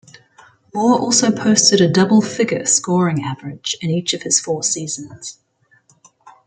Moore also posted a double-figure scoring average in each of his four seasons.